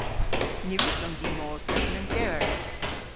Ny wrussons i mos drefen an gewer.